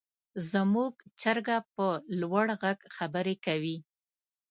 زموږ چرګه په لوړ غږ خبرې کوي.